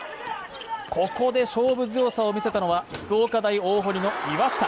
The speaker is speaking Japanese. ここで勝負強さを見せたのは福岡大大濠の岩下。